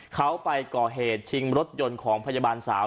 เขาไปก่อเหตุชิงรถยนต์ของพยาบาลสาว